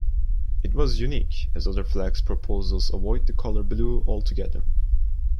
It was unique, as other flag proposals avoid the color blue altogether.